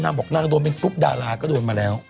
บอกนางโดนเป็นกรุ๊ปดาราก็โดนมาแล้ว